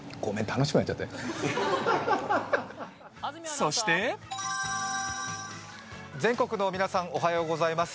そして全国の皆さんおはようございます。